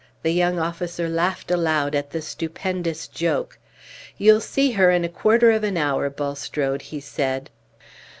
The young officer laughed aloud at the stupendous joke. "You'll see her in a quarter of an hour, Bulstrode," he said.